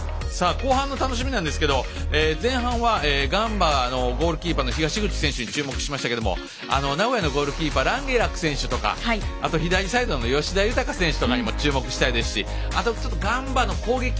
後半の楽しみですが、前半はガンバのゴールキーパーの東口選手に注目しましたけども名古屋のゴールキーパーランゲラック選手とかあと、左サイドの吉田豊選手にも注目したいですしあとガンバの攻撃。